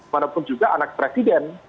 walaupun juga anak presiden